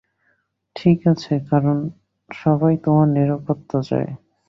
ঠিক আছে, কারণ সবাই তোমার নিরাপত্তা চায়।